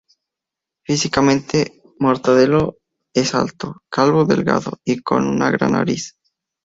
Físicamente, Mortadelo es alto, calvo delgado y con una gran nariz.